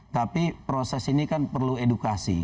tapi proses ini kan perlu edukasi